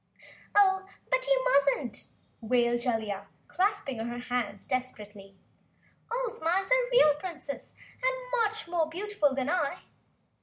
"Oh, but you mustn't!" wailed Jellia, clasping her hands desperately. "Ozma is a real Princess and much more beautiful than I!"